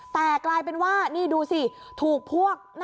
แต่กลายเป็นว่าถูกพวก